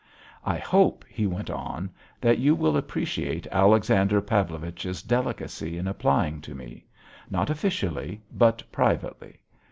"I hope," he went on, "that you will appreciate Alexander Pavlovich's delicacy in applying to me, not officially, but privately.